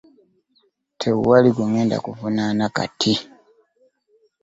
Tewali gwe ŋŋenda kuvunaana kati.